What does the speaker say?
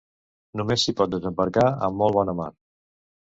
Només s'hi pot desembarcar amb molt bona mar.